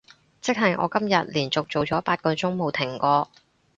即係我今日連續做咗八個鐘冇停過